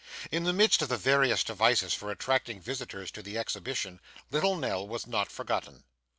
In the midst of the various devices for attracting visitors to the exhibition, little Nell was not forgotten.